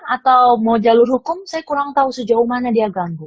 atau mau jalur hukum saya kurang tahu sejauh mana dia ganggu